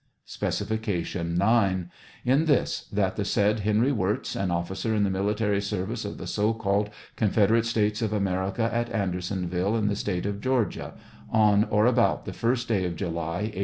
Specification 9. — In this: that the said Henry Wirz, an officer in the military service of the so called Confederate States of America, at Andersonville, in the State of Georgia, on or about the first day of July, A.